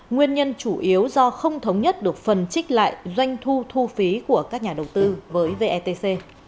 nguyên nhân chủ yếu do không thống nhất được phần trích lại doanh thu thu phí của các nhà đầu tư với vetc